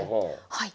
はい。